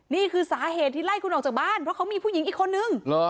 นี่คือสาเหตุที่ไล่คุณออกจากบ้านเพราะเขามีผู้หญิงอีกคนนึง